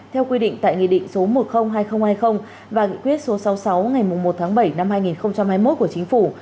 theo quy định tại nghị định số một trăm linh hai nghìn hai mươi và nghị quyết số sáu mươi sáu ngày một tháng bảy năm hai nghìn hai mươi một của chính phủ